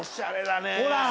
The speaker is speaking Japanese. ほら。